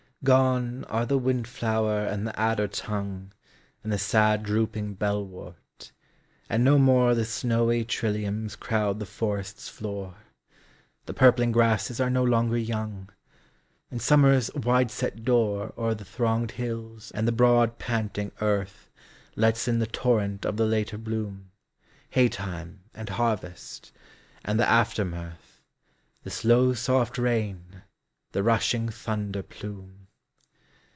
Gone are the wind flower and the adder tongue And the sad drooping bellwort, and no more The snowy trilliums crowd the forest's floor; The purpling grasses are no longer young. And summer's wide set door O'er the thronged hills and the broad panting earth Lets in the torrent of the later bloom, Haytime, and harvest, and the after mirth, The slow soft rain, the rushing thunder plume.